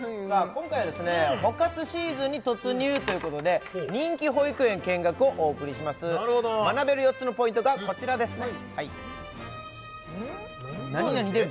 今回はですね保活シーズンに突入ということで人気保育園見学をお送りしますなるほど学べる４つのポイントがこちらですね